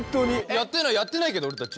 やってないやってないけど俺たち。